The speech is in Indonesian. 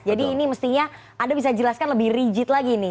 jadi ini mestinya anda bisa jelaskan lebih rigid lagi nih